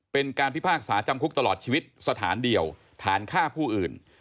เป็นการพิพากษาจำคุกตลอดชีวิตสถานเดียวฐานฆ่าผู้อื่น